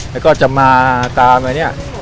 แล้วก็จะมาตามอะไรเนี่ย